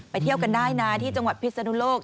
เที่ยวกันได้นะที่จังหวัดพิศนุโลก